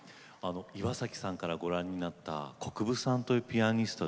岩崎さんからご覧になった国府さんというピアニスト